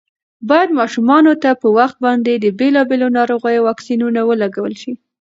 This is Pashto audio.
باید ماشومانو ته په وخت باندې د بېلابېلو ناروغیو واکسینونه ولګول شي.